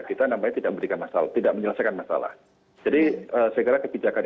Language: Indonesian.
kita namanya tidak memberikan masalah tidak menyelesaikan masalah jadi saya kira kebijakan